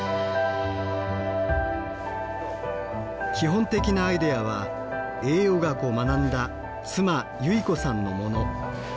基本的なアイデアは栄養学を学んだ妻由依子さんのもの。